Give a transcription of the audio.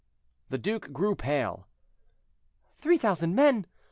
The duke grew pale. "Three thousand men!